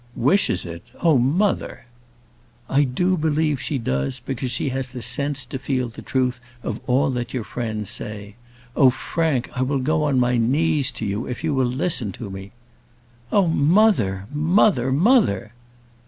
"Wishes it! Oh, mother!" "I do believe she does, because she has sense to feel the truth of all that your friends say. Oh, Frank, I will go on my knees to you if you will listen to me." "Oh, mother! mother! mother!"